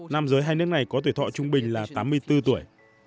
nam giới hai nước này có tuổi thọ trung bình là tám mươi bốn tuổi